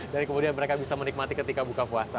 dan kemudian mereka bisa menikmati ketika buka puasa